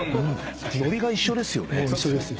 ノリが一緒ですよね。